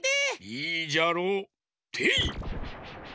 いいじゃろう。てい！